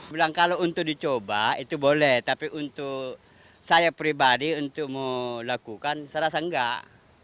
bilang kalau untuk dicoba itu boleh tapi untuk saya pribadi untuk mau lakukan saya rasa enggak